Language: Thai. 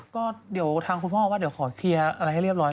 ก็เดี๋ยวทางคุณพ่อว่าเดี๋ยวขอเคลียร์อะไรให้เรียบร้อย